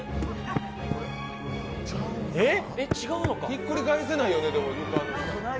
ひっくり返せないよね。